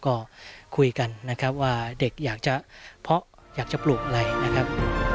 ก็คุยกันนะครับว่าเด็กอยากจะเพาะอยากจะปลูกอะไรนะครับ